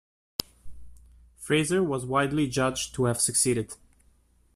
Fraser was widely judged to have succeeded.